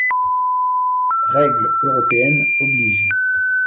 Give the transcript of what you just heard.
Règles européennes obligent.